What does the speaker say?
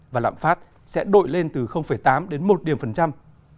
và lạm phát sẽ đội lên từ tám đến một điểm phần trăm